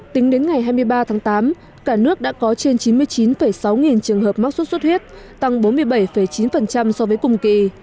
tính đến ngày hai mươi ba tháng tám cả nước đã có trên chín mươi chín sáu nghìn trường hợp mắc sốt xuất huyết tăng bốn mươi bảy chín so với cùng kỳ